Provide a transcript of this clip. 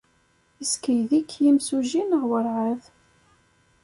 Yessekyed-ik yimsujji neɣ werɛad?